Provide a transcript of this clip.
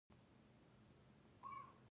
نیکه تل د شکر دعا کوي.